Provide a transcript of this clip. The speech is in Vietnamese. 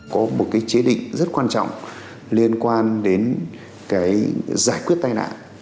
có một chế định rất quan trọng liên quan đến giải quyết tai nạn